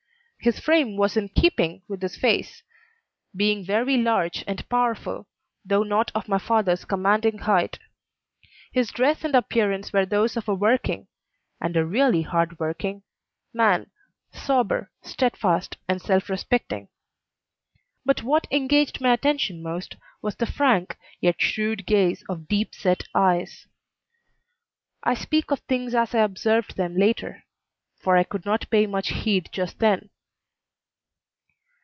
His frame was in keeping with his face, being very large and powerful, though not of my father's commanding height. His dress and appearance were those of a working and a really hard working man, sober, steadfast, and self respecting; but what engaged my attention most was the frank yet shrewd gaze of deep set eyes. I speak of things as I observed them later, for I could not pay much heed just then.